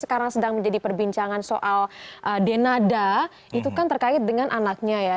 sekarang sedang menjadi perbincangan soal denada itu kan terkait dengan anaknya ya